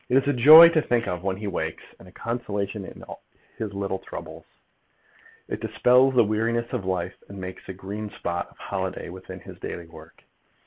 It is a joy to think of when he wakes, and a consolation in his little troubles. It dispels the weariness of life, and makes a green spot of holiday within his daily work.